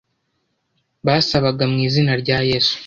Basabaga mu izina rya Yesu